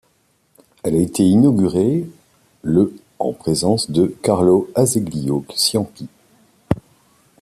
Elle a été inaugurée le en présence de Carlo Azeglio Ciampi.